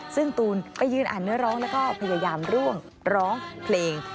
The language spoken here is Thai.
ซึ่งตูนไปยืนอ่านเนื้อร้องแล้วก็พยายามร่วมร้องเพลง